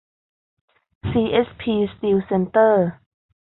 ซีเอสพี สตีลเซ็นเตอร์